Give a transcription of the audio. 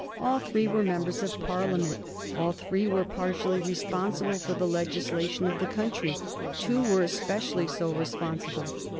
All three were members of Parliament; all three were partially responsible for the legislation of the country; two were especially so responsible.